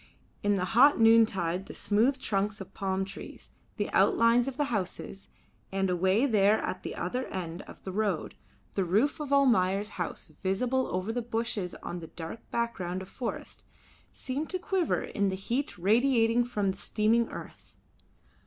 In the hot noontide the smooth trunks of palm trees, the outlines of the houses, and away there at the other end of the road the roof of Almayer's house visible over the bushes on the dark background of forest, seemed to quiver in the heat radiating from the steaming earth.